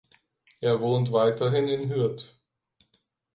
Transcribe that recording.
Er wohnt weiterhin in Hürth.